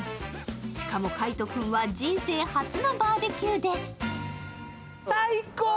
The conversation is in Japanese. しかも海音君は人生初のバーベキューです。